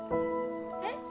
えっ？